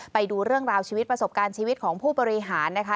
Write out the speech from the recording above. ไปดูเรื่องราวชีวิตประสบการณ์ชีวิตของผู้บริหารนะคะ